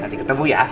nanti ketemu ya